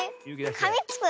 かみつく？